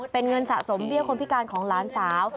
เป็นเงินสะสมเบี้ยคนพิการของหลานสาว